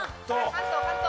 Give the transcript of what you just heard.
関東関東。